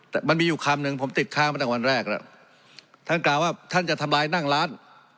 แต่มันมีอยู่คำหนึ่งผมติดค้างมาตั้งแต่วันแรกแล้วท่านกล่าวว่าท่านจะทำลายนั่งร้าน